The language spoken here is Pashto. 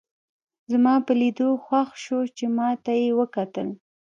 زما په لیدو خوښ شوه چې ما ته یې وکتل.